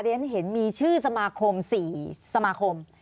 ฉันเห็นมีชื่อสมาคม๔สมาคม